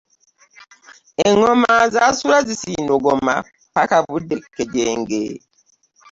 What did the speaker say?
Eŋŋoma zaasula zisindogoma ppaka budde kkejenge.